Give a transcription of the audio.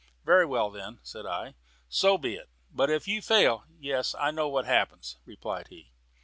"Very well then," said I, "so be it; but if you fail " "I know what happens," replied he.